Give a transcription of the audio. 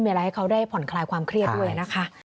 มีอะไรให้เขาได้ผ่อนคลายความเครียดด้วยนะคะ